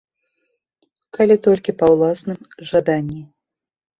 Калі толькі па ўласным жаданні.